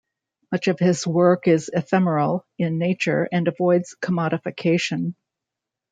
Much of his work is ephemeral in nature and avoids commodification.